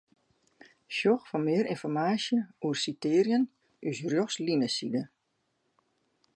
Sjoch foar mear ynformaasje oer sitearjen ús Rjochtlineside.